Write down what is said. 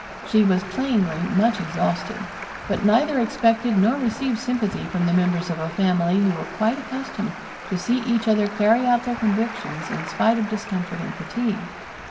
She was plainly much exhausted, but neither expected nor received sympathy from the members of a family who were quite accustomed to see each other carry out their convictions in spite of discomfort and fatigue.